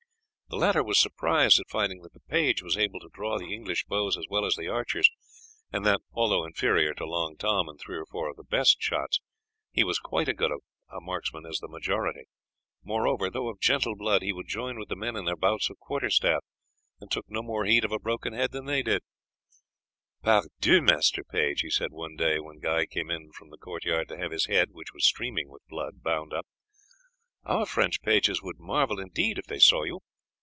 The latter was surprised at finding that the page was able to draw the English bows as well as the archers, and that, although inferior to Long Tom and three or four of the best shots, he was quite as good a marksman as the majority. Moreover, though of gentle blood he would join with the men in their bouts of quarter staff, and took no more heed of a broken head than they did. [Illustration: GUY HAS HIS HEAD BOUND UP AFTER A BOUT AT QUARTER STAFF.] "Pardieu, master page," he said one day when Guy came in from the court yard to have his head, which was streaming with blood, bound up, "our French pages would marvel indeed if they saw you.